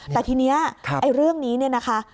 แต่ทีนี้เรื่องนี้นะคะ